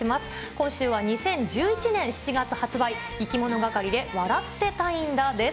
今週は２０１１年７月発売、いきものがかりで笑ってたいんだです。